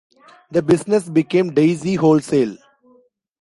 The business became Daisy Wholesale.